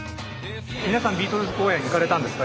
皆さんビートルズ公演行かれたんですか？